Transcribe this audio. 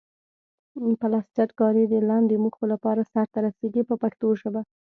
پلسترکاري د لاندې موخو لپاره سرته رسیږي په پښتو ژبه.